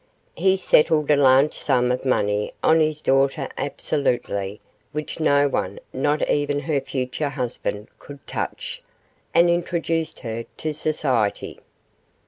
He settled a large sum of money on his daughter absolutely, which no one, not even her future husband, could touch, and introduced her to society.